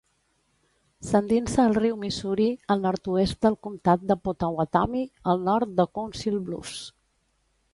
S'endinsa al riu Missouri al nord-oest del comtat de Pottawattamie, al nord de Council Bluffs.